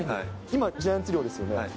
今、ジャイアンツ寮ですよね。